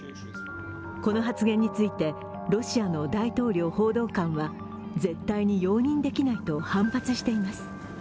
この発言についてロシアの大統領報道官は絶対に容認できないと反発しています。